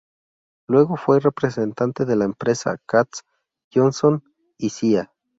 Luego fue representante de la empresa "Katz Johnson y Cía.